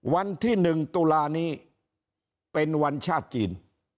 วันที่๑ตุลานี้เป็นวันชาติจีน